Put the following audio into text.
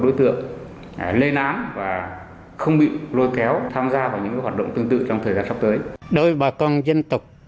đối với bà con dân tộc